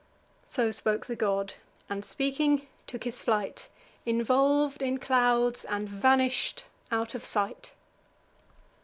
So spoke the god; and, speaking, took his flight, Involv'd in clouds, and vanish'd out of sight.